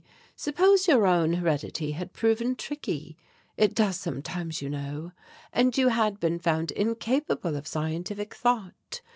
Suppose your own heredity had proven tricky it does sometimes, you know and you had been found incapable of scientific thought.